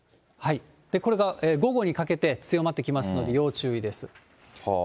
これが午後にかけて強まってきますので、要注意です。